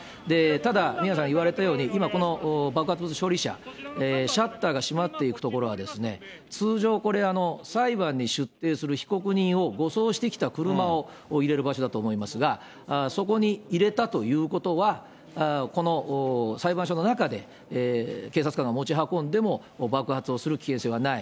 ただ、宮根さん言われたように、今、この爆発物処理車、シャッターが閉まっていくところは、通常、これ、裁判に出廷する被告人を護送してきた車を入れる場所だと思いますが、そこに入れたということは、この裁判所の中で、警察官が持ち運んでも爆発をする危険性はない。